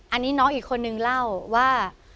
อันนี้น้องอีกคนนึงเล่าว่า